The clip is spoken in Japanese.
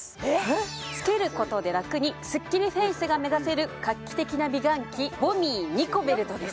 つけることで楽にスッキリフェイスが目指せる画期的な美顔器ＶＯＮＭＩＥニコベルトです